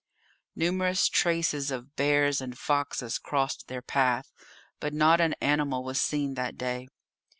Numerous traces of bears and foxes crossed their path, but not an animal was seen that day.